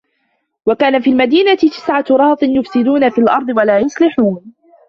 وَكانَ فِي المَدينَةِ تِسعَةُ رَهطٍ يُفسِدونَ فِي الأَرضِ وَلا يُصلِحونَ